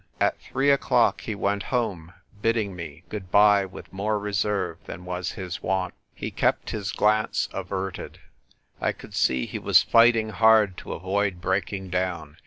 At three o'clock he went home, bidding me good bye with more reserve than was his wont. He kept his glance averted. I could see he was fighting hard to avoid breaking down.